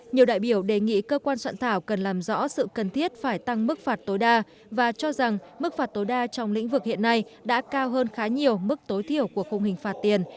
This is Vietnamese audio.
nhiều đại biểu đề nghị cơ quan soạn thảo cần làm rõ sự cần thiết phải tăng mức phạt tối đa và cho rằng mức phạt tối đa trong lĩnh vực hiện nay đã cao hơn khá nhiều mức tối thiểu của khung hình phạt tiền